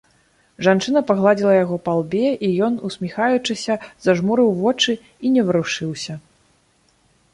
Жанчына пагладзіла яго па лбе, і ён, усміхаючыся, зажмурыў вочы і не варушыўся.